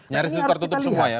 nyaris itu tertutup semua ya